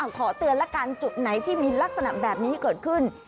ขอเตือนละกันจุดไหนที่มีลักษณะแบบนี้เกิดขึ้น